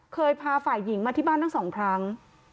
เคยพาฝ่ายหญิงมาที่บ้านทั้งสองครั้ง